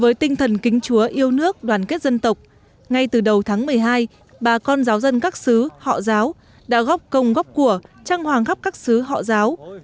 với tinh thần kính chúa yêu nước đoàn kết dân tộc ngay từ đầu tháng một mươi hai bà con giáo dân các xứ họ giáo đã góp công góp của trang hoàng khắp các xứ họ giáo